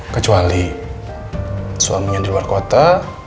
kecuali suaminya di luar kota